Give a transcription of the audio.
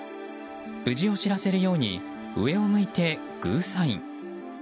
無事を知らせるように上を向いてグーサイン。